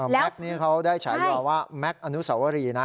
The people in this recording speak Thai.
แก๊กนี้เขาได้ฉายอว่าแม็กซ์อนุสวรีนะ